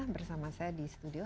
bersama saya di studio h satu